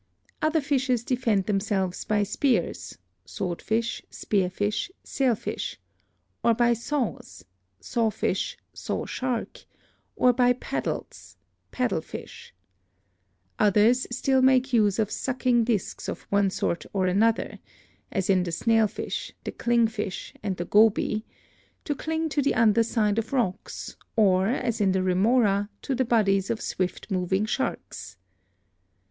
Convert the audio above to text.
Other fishes defend themselves by spears (swordfish, spearfish, sailfish), or by saws (sawfish, sawshark), or by paddles (paddlefish). Others still make use of sucking ADAPTATION 271 disks of one sort or another (as in the snailfish, the cling fish and the goby) to cling to the under side of rocks, or as in the Remora, to the bodies of swift moving sharks.